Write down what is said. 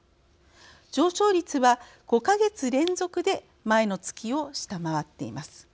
上昇率は５か月連続で前の月を下回っています。